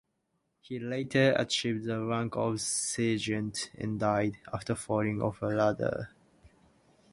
He later achieved the rank of sergeant and died after falling off a ladder.